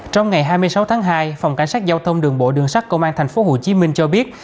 trong ngày hai mươi sáu tháng hai phòng cảnh sát giao thông đường bộ đường sắt công an thành phố hồ chí minh cho biết